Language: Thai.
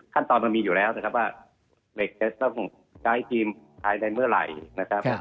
มันมีอยู่แล้วนะครับว่าเหล็กจะต้องใช้ทีมภายในเมื่อไหร่นะครับ